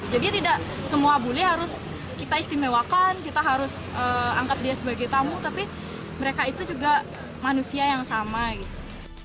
jadi tidak semua bule harus kita istimewakan kita harus angkat dia sebagai tamu tapi mereka itu juga manusia yang sama gitu